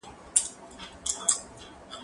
هغه څوک چي ليکلي پاڼي ترتيبوي منظم وي،